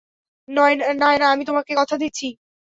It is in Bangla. নায়না, আমি তোমাকে কথা দিচ্ছি।